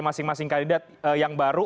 masing masing kandidat yang baru